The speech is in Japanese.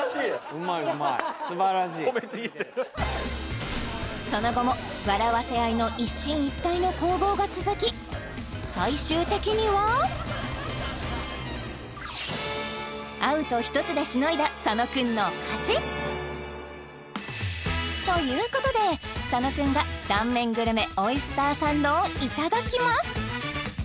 うまいうまいすばらしい褒めちぎってるその後も笑わせ合いの一進一退の攻防が続き最終的にはアウト一つでしのいだ佐野君の勝ちということで佐野君が断面グルメオイスターサンドをいただきます